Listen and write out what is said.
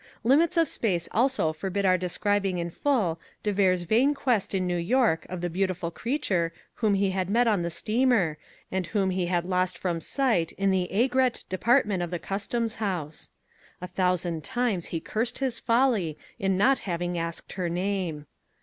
Limits of space also forbid our describing in full de Vere's vain quest in New York of the beautiful creature whom he had met on the steamer and whom he had lost from sight in the aigrette department of the customs house. A thousand times he cursed his folly in not having asked her name.